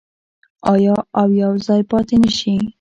آیا او یوځای پاتې نشي؟